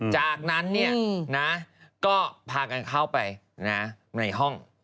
จากนั้นก็พากันเข้าไปในห้อง